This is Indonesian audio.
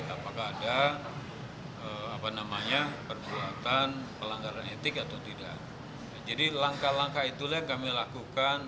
apakah ada apa namanya perbuatan pelanggaran etik atau tidak jadi langkah langkah itulah kami lakukan